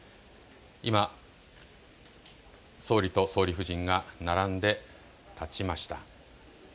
今、総理と総理夫人が並んで立ちました。